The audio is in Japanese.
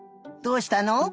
どうしたの？